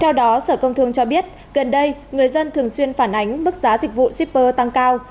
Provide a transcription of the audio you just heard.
theo đó sở công thương cho biết gần đây người dân thường xuyên phản ánh mức giá dịch vụ shipper tăng cao